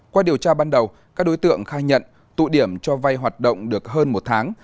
qua điều tra ban đầu các đối tượng khai nhận tụ điểm cho vay hoạt động được hơn một tháng